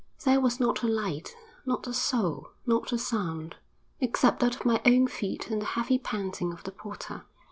There was not a light, not a soul, not a sound except that of my own feet and the heavy panting of the porter.